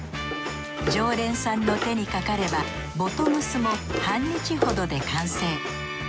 常連さんの手にかかればボトムスも半日ほどで完成。